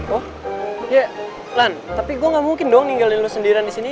oh ya lan tapi gue gamungkin dong ninggalin lo sendirian disini